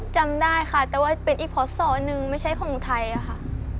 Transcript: จำได้ค่ะแต่ว่าเป็นอีกพศหนึ่งไม่ใช่ของไทยค่ะ